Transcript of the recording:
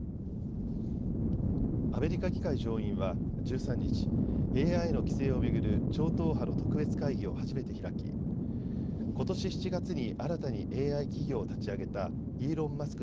アメリカ議会上院は１３日、ＡＩの規制を巡る超党派の特別会議を初めて開きことし７月に新たにＡＩ企業を立ち上げたイーロン・マスク